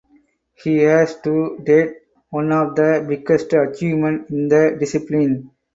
He has to date one of the biggest achievements in the discipline.